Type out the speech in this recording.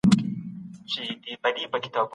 دغه کیسې زما ډېري خوښي سوې.